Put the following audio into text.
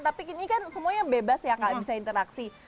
tapi ini kan semuanya bebas ya kak bisa interaksi